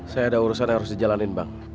saya ada urusan yang harus dijalanin bang